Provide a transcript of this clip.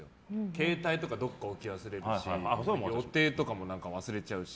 携帯とか、どこかに置き忘れるし予定とかも忘れちゃうし。